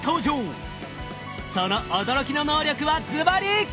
その驚きの能力はずばり！